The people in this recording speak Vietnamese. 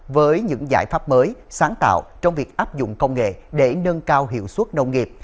với những giải pháp mới sáng tạo trong việc áp dụng công nghệ để nâng cao hiệu suất nông nghiệp